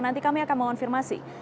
nanti kami akan mengonfirmasi